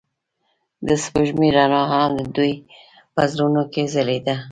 د سپوږمۍ رڼا هم د دوی په زړونو کې ځلېده.